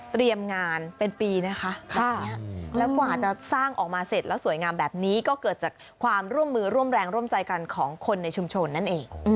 งานเป็นปีนะคะแบบนี้แล้วกว่าจะสร้างออกมาเสร็จแล้วสวยงามแบบนี้ก็เกิดจากความร่วมมือร่วมแรงร่วมใจกันของคนในชุมชนนั่นเอง